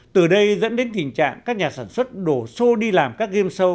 từ đây dẫn đến tình trạng các nhà sản xuất đổ xô đi làm các game show